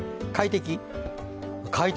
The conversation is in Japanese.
快適？